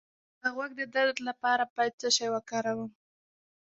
د غوږ د درد لپاره باید څه شی وکاروم؟